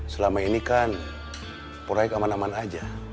selama ini kan proyek aman aman aja